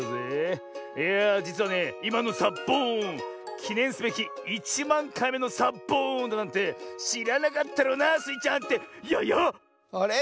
いやあじつはねいまのサッボーンきねんすべき１まんかいめのサッボーンだなんてしらなかったろうなスイちゃんってややっ⁉あれ？